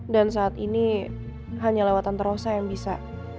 dan saat ini hanya lewat tante rosa yang bisa